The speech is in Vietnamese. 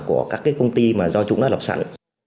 của các cái công ty mà do chúng đã lập sẵn